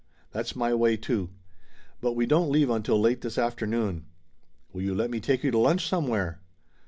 That's my way too. But we don't leave until late this afternoon. Will you let me take you to lunch somewhere?"